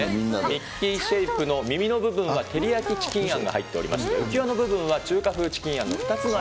ミッキーシェイプの耳の部分は照り焼きチキンあんが入ってまして、浮き輪の部分は中華風チキ